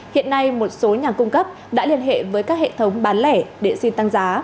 hiện nay một số nhà cung cấp đã liên hệ với các hệ thống bán lẻ để xin tăng giá